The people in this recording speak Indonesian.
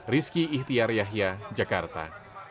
rizky ihtiar yahya jakarta